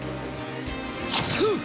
フン！